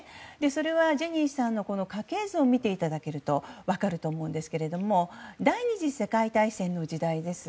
それはジェニーさんの家系図を見ていただけると分かると思うんですけれども第２次世界大戦の時代です。